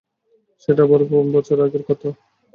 সেটা বার বছর আগেকার কথা।